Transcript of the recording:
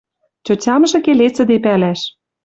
Тьотямжы келесӹде пӓлӓш.